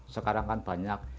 sekarang kan banyak